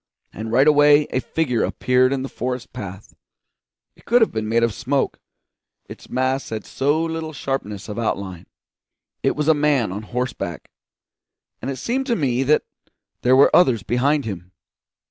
And right away a figure appeared in the forest path; it could have been made of smoke, its mass had so little sharpness of outline. It was a man on horseback; and it seemed to me that there were others behind him.